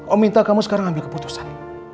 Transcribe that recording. oh minta kamu sekarang ambil keputusan